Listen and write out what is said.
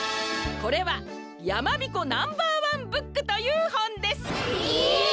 これは「やまびこナンバーワンブック」というほんです！え！？